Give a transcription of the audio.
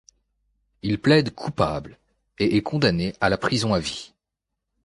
Il plaide coupable et est condamné à la prison à vie.